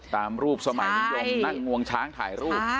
ตามรูปสมัยนิยมนั่งงวงช้างถ่ายรูป